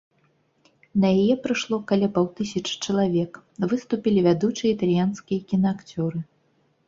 На яе прыйшло каля паўтысячы чалавек, выступілі вядучыя італьянскія кінаакцёры.